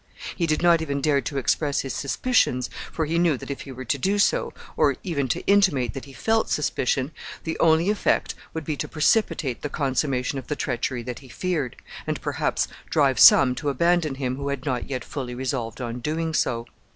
He did not even dare to express his suspicions, for he knew that if he were to do so, or even to intimate that he felt suspicion, the only effect would be to precipitate the consummation of the treachery that he feared, and perhaps drive some to abandon him who had not yet fully resolved on doing so.